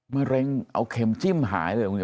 มะเร็งเอาเข็มจิ้มหายเลยคุณเ